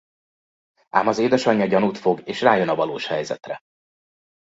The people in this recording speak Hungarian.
Ám az édesanyja gyanút fog és rájön a valós helyzetre.